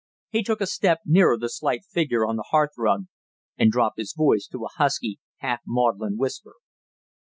He took a step nearer the slight figure on the hearth rug and dropped his voice to a husky half maudlin whisper.